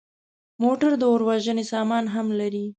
موټر د اور وژنې سامان هم لري.